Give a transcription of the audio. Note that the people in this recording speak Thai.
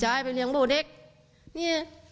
เจ้าไปเลี้ยงพ่อแด็กท์นี่